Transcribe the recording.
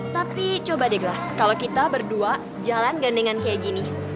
tapi coba deh gelas kalau kita berdua jalan gandengan kayak gini